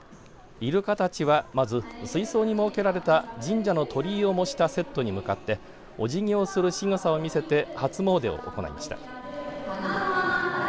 イルカたちはまず水槽に設けられた神社の鳥居を模したセットに向かっておじぎをするしぐさを見せて初詣を行いました。